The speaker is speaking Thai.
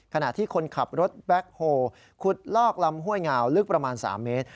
ขณะที่คนขับรถแบ็คโฮลขุดลอกลำห้วยงาวลึกประมาณ๓เมตร